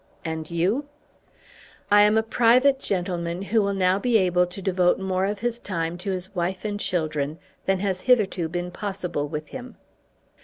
"And you?" "I am a private gentleman who will now be able to devote more of his time to his wife and children than has hitherto been possible with him."